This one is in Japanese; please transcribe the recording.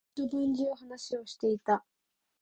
一晩中話をしていた。